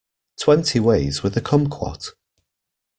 Twenty ways with a kumquat.